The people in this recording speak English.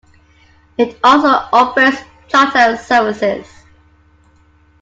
It also operates charter services.